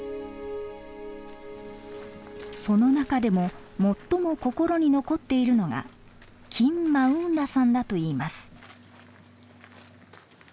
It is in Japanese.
その中でも最も心に残っているのがキン・マウン・ラさんだといいます。